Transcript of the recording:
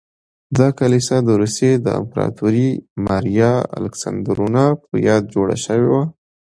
دا کلیسا د روسیې د امپراتورې ماریا الکساندرونا په یاد جوړه شوې وه.